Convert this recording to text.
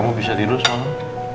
kamu bisa tidur semalam